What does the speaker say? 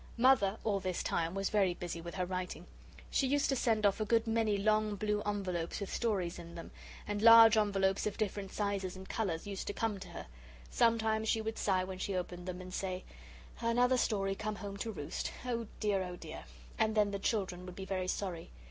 Mother, all this time, was very busy with her writing. She used to send off a good many long blue envelopes with stories in them and large envelopes of different sizes and colours used to come to her. Sometimes she would sigh when she opened them and say: "Another story come home to roost. Oh, dear, Oh, dear!" and then the children would be very sorry.